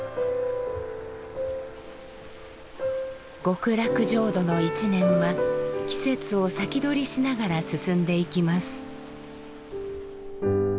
極楽浄土の一年は季節を先取りしながら進んでいきます。